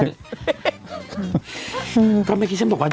เพราะไม่คิดฉันบอกว่า